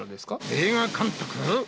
映画監督？